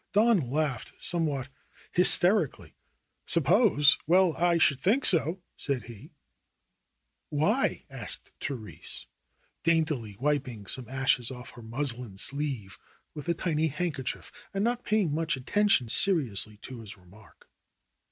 Don laughed somewhat hysterically. "Suppose ! Well, I should think so !" said he. "Why ?" asked Therese, daintily wiping some ashes off her muslin sleeve with a tiny handkerchief and not pay ing much attention seriously to his remark.